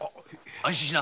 安心しな。